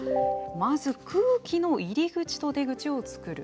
まず空気の入り口と出口を作る。